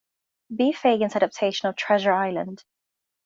B. Fagan's adaptation of "Treasure Island".